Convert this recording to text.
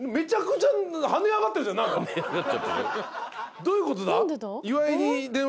どういうことだ？